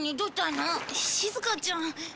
しずかちゃん。